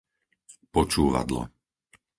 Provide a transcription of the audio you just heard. Počúvadlo